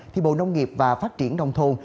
thì bộ nông nghiệp và phát triển đông thôn